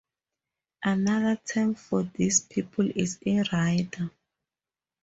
Another term for these people is eRider.